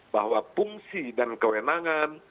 bahwa fungsi dan kewenangan